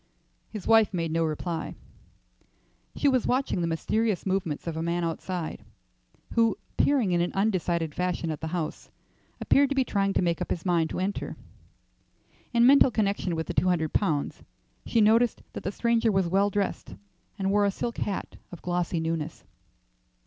His wife made no reply. She was watching the mysterious movements of a man outside, who, peering in an undecided fashion at the house, appeared to be trying to make up his mind to enter. In mental connection with the two hundred pounds, she noticed that the stranger was well dressed, and wore a silk hat of glossy newness.